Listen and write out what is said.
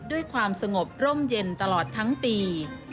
ด้วยความสงบร่มเย็นตลอดทั้งปี